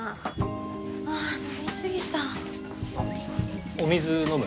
あぁ飲みすぎたお水飲む？